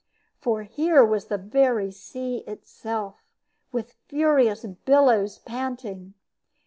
For here was the very sea itself, with furious billows panting.